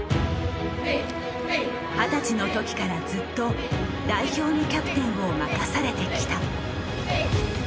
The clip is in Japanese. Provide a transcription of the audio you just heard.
二十歳の時からずっと代表のキャプテンを任されてきた。